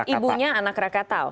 ibunya anak krakatau